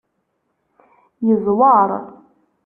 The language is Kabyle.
Yeẓweṛ.